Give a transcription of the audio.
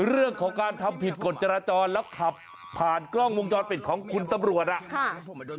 เรื่องของการทำผิดกฎจราจรแล้วขับผ่านกล้องวงจรปิดของคุณตำรวจอ่ะ